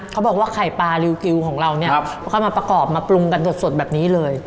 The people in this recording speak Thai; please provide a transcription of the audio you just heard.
เขาบอกว่าไข่ปลาริวกิวของเราเนี่ยค่อยมาประกอบมาปรุงกันสดแบบนี้เลย